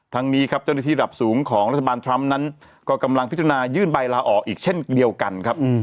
นี้ครับเจ้าหน้าที่ระดับสูงของรัฐบาลทรัมป์นั้นก็กำลังพิจารณายื่นใบลาออกอีกเช่นเดียวกันครับ